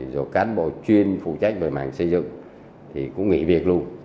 rồi cán bộ chuyên phụ trách về mảng xây dựng thì cũng nghỉ việc luôn